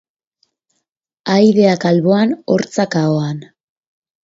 Ahaideak alboan hortzak ahoan.